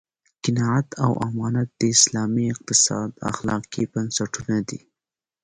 قناعت او امانت د اسلامي اقتصاد اخلاقي بنسټونه دي.